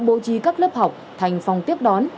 bố trí các lớp học thành phòng tiếp đón